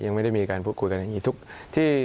ยังไม่ได้มีการพูดคุยกันอย่างนี้ทุกที่